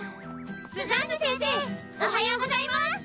スザンヌ先生おはようございます！